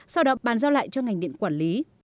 sau đó bàn giao lại cho ngành điện quản lý